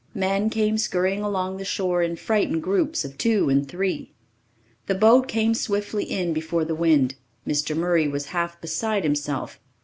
Men came scurrying along the shore in frightened groups of two and three. The boat came swiftly in before the wind. Mr. Murray was half beside himself.